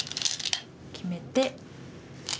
決めて。